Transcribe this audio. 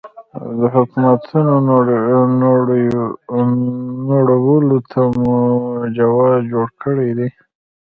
او د حکومتونو نړولو ته مو جواز جوړ کړی دی.